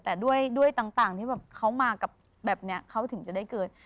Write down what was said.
แต่ด้วยต่างที่แบบเขามากับแบบนี้เขาถึงจะได้เกิด